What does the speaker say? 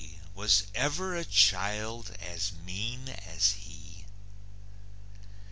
Was ever a child as mean as he?"